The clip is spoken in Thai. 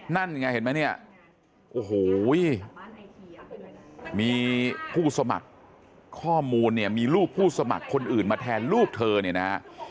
นั่นไงเห็นไหมเนี่ยโอ้โหมีผู้สมัครข้อมูลเนี่ยมีรูปผู้สมัครคนอื่นมาแทนลูกเธอเนี่ยนะฮะ